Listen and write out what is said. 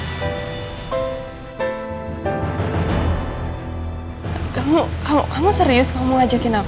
felah kamu kamu serius kamu ajakin myers